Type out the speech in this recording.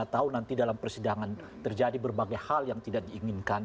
kita tahu nanti dalam persidangan terjadi berbagai hal yang tidak diinginkan